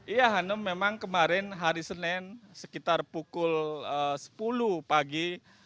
iya hanum memang kemarin hari senin sekitar pukul sepuluh pagi